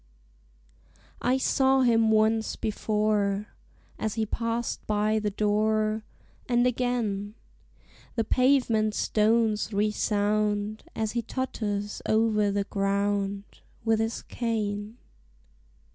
I saw him once before, As he passed by the door; And again The pavement stones resound As he totters o'er the ground With his cane.